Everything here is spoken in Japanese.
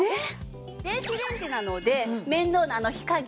電子レンジなので面倒な火加減